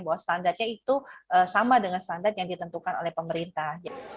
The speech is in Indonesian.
bahwa standarnya itu sama dengan standar yang ditentukan oleh pemerintah